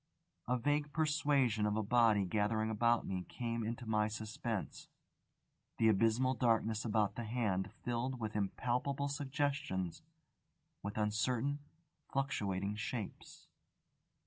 A vague persuasion of a body gathering about me came into my suspense. The abysmal darkness about the Hand filled with impalpable suggestions, with uncertain, fluctuating shapes.